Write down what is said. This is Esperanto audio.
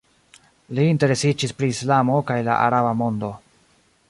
Li interesiĝis pri Islamo kaj la araba mondo.